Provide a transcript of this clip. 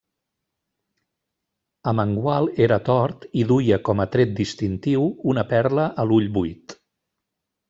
Amengual era tort i duia com a tret distintiu una perla a l'ull buit.